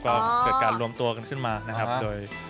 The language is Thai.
ก็เกิดการรวมตัวกันขึ้นมานะครับโดย